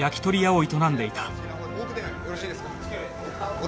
お隣よろしいですか？